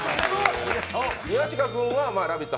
宮近君は「ラヴィット！」